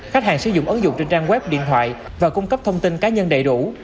khách hàng sử dụng ứng dụng trên trang web điện thoại và cung cấp thông tin cá nhân đầy đủ